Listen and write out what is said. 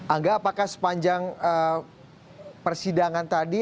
angga apakah sepanjang persidangan tadi